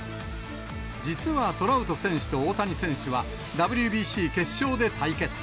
実はトラウト選手と大谷選手は、ＷＢＣ決勝で対決。